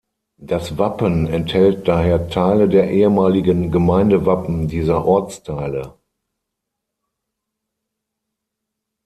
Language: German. Das Wappen enthält daher Teile der ehemaligen Gemeindewappen dieser Ortsteile.